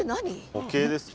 模型ですか？